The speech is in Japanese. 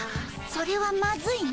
それはマズいね。